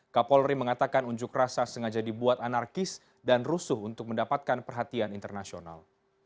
kapolri mengatakan unjuk rasa sengaja dibuat anarkis dan rusuh untuk mendapatkan perhatian internasional